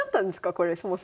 これそもそも。